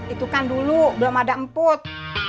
itu kan dulu belum ada emput